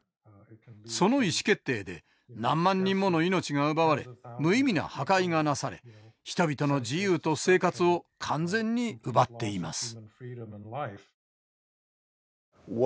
その意思決定で何万人もの命が奪われ無意味な破壊がなされ人々の自由と生活を完全に奪っています。